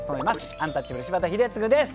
アンタッチャブル柴田英嗣です。